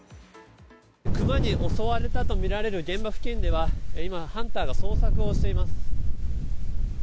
クマに襲われたとみられる現場付近では今、ハンターが捜索をしています。